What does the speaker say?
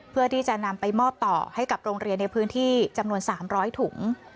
เพื่อที่จะนำไปมอบต่อให้กับโรงเรียนในพื้นที่จำนวน๓๐๐ถุง